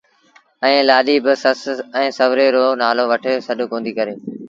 ائيٚݩ لآڏيٚ بآ سس ائيٚݩ سُوري رو نآلو وٺي سڏ ڪونديٚ ڪري